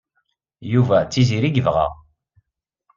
Yuba d Tiziri ay yebɣa.